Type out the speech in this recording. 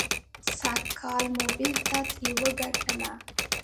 سږکال مو بېرته ترې وګټله.